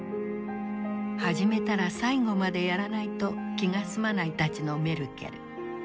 始めたら最後までやらないと気が済まないたちのメルケル。